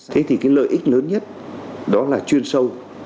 thế thì cái lợi ích lớn nhất đó là chuyên sâu